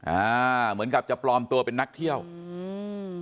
อ่าเหมือนกับจะปลอมตัวเป็นนักเที่ยวอืม